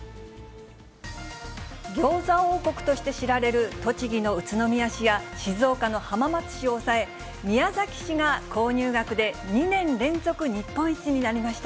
ギョーザ王国として知られる、栃木の宇都宮市や静岡の浜松市を押さえ、宮崎市が購入額で２年連続日本一になりました。